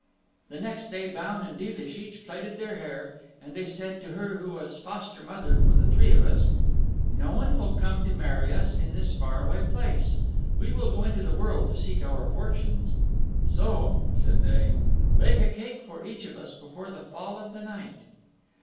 The next day Baun and Deelish each plaited their hair, and they said to her who was foster mother for the three of us: "No one will come to marry us in this far away place. We will go into the world to seek our fortunes. So," said they, "bake a cake for each of us before the fall of the night."